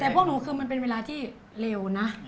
แต่พวกหนูคือมันเป็นเวลาที่เร็วนะ